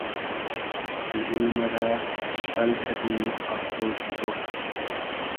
دیل مئرۂ پیشپئل کئدی آسۉ سوبوگ